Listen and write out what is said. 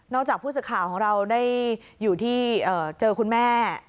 จากผู้สื่อข่าวของเราได้อยู่ที่เจอคุณแม่